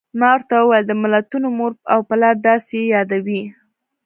ما ورته وویل: د ملتونو مور او پلار، داسې یې یادوي.